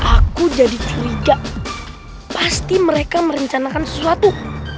aku jadi curiga pasti mereka merencanakan sesuatu